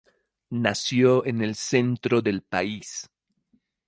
Nació en el centro de país.